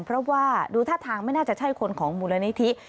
เพราะว่าดูท่าทางไม่น่าจะใช่คนของมูลนิธิ